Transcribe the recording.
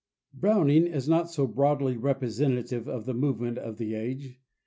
] Browning is not so broadly representative of the movement of the age.